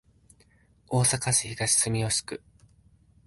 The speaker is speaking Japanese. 大阪市東住吉区